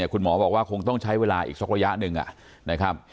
คุณหมอบอกว่าคงต้องใช้เวลาอีกสักระยะหนึ่งนะครับ